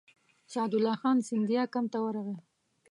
سعدالله خان سیندیا کمپ ته ورغی.